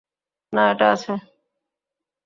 না, এটা আছে।